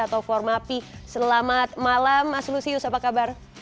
atau formapi selamat malam mas lusius apa kabar